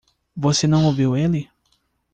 Você não ouviu ele?